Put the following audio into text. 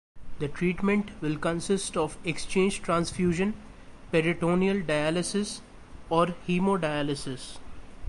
The treatment will consist of exchange transfusion, peritoneal dialysis or hemodialysis.